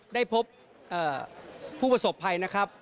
ได้พบผู้ประสบภัย